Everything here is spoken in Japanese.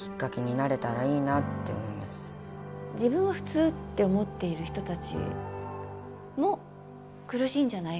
自分は普通って思っている人たちも苦しいんじゃないか。